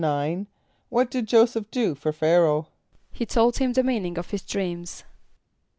= What did J[=o]´[s+]eph do for Ph[=a]´ra[=o]h? =He told him the meaning of his dreams.